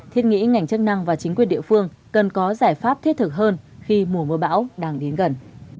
thiết nghĩ ngành chức năng và chính quyền địa phương cần có giải pháp thiết thực hơn khi mùa mưa bão đang đến gần